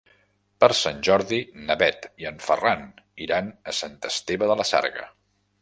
Per Sant Jordi na Bet i en Ferran iran a Sant Esteve de la Sarga.